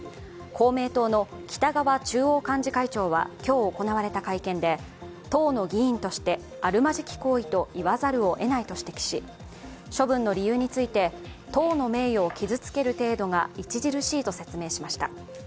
公明党の北側中央幹事長は今日行われた会見で党の議員としてあるまじき行為と言わざるを得ないと指摘し、処分の理由について、党の名誉を傷つける程度が著しいと説明しました。